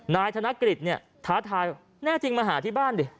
นายธนกฤษน่าจะมาหาที่บ้านดิ